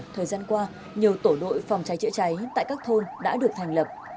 thời gian qua nhiều tổ đội phòng cháy chữa cháy tại các thôn đã được thành lập